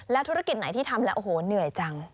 แล้วธุรกิจไหนที่ทำแล้วเหนื่อยจัง